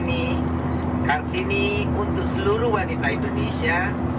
ini kartini untuk seluruh wanita indonesia